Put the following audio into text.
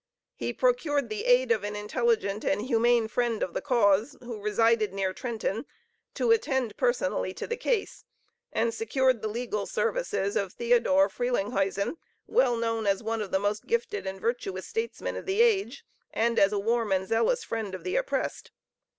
He procured the aid of an intelligent and humane friend of the cause, who resided near Trenton, to attend, personally to the case, and secured the legal services of Theodore Frelinghuysen, well known as one of the most gifted and virtuous statesmen of the age, and as a warm and zealous friend of the oppressed.